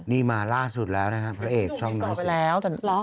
นี่มาล่าสุดแล้วพระเอกช่องน้อยสี่